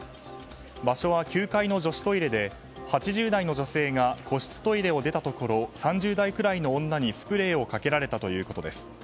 場所は９階の女子トイレで８０代の女性が個室トイレを出たところ３０代くらいの女にスプレーをかけられたということです。